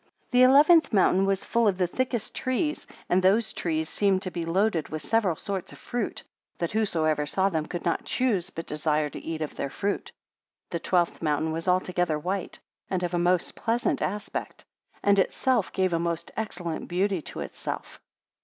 11 The eleventh mountain was full of the thickest trees, and those trees seemed to be loaded with several sorts of fruits; that whosoever saw them could not choose but desire to eat of their fruit. 12 The twelfth mountain was altogether white, and of a most pleasant aspect, and itself gave a most excellent beauty to itself.